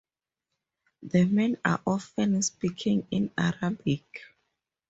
The men are often speaking in Arabic.